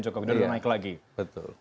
jokowi dan naik lagi betul